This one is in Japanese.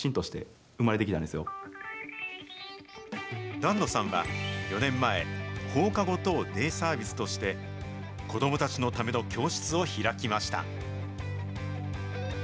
檀野さんは４年前、放課後等デイサービスとして、子どもたちのための教室を開きました。